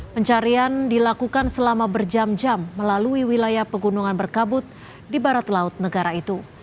pencarian dilakukan selama berjam jam melalui wilayah pegunungan berkabut di barat laut negara itu